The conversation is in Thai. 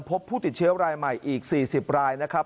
พบผู้ติดเชื้อรายใหม่อีก๔๐รายนะครับ